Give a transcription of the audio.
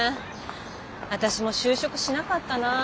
私も就職しなかったな。